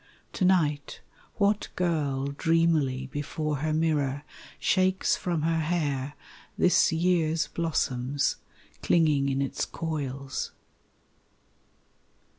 To night what girl Dreamily before her mirror shakes from her hair This year's blossoms, clinging in its coils?